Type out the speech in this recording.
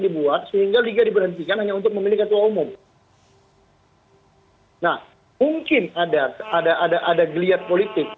dibuat single prod tastinghythm ni untuk memilih ketua umum hai nah mungkin atau marinade politik